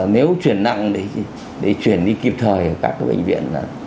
nếu chuyển nặng để chuyển đi kịp thời các bệnh viện